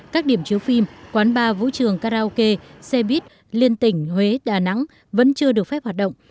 các điểm chiếu phim quán bar vũ trường karaoke xe buýt liên tỉnh huế đà nẵng vẫn chưa được phép hoạt động